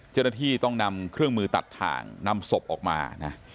เจ้าหน้าที่ต้องนำเครื่องมือตัดถ่างนำศพออกมานะ